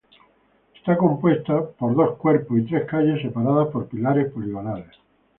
Está compuesta por dos cuerpos y tres calles separadas por pilares poligonales.